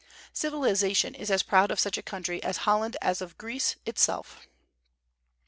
Civilization is as proud of such a country as Holland as of Greece itself.